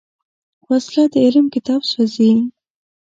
وسله د علم کتاب سوځوي